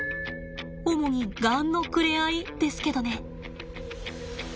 主にガンのくれ合いですけどね。